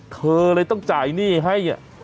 เธอเลยต้องจ่ายหนี้ให้